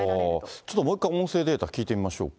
ちょっともう一回音声データ、聞いてみましょうか。